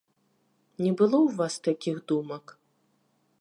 Не было ў вас такіх думак?